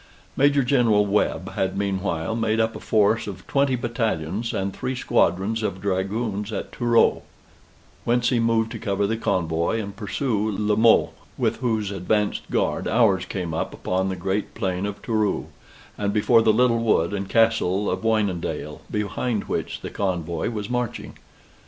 Major General Webb had meanwhile made up a force of twenty battalions and three squadrons of dragoons at Turout, whence he moved to cover the convoy and pursue La Mothe: with whose advanced guard ours came up upon the great plain of Turout, and before the little wood and castle of Wynendael; behind which the convoy was marching.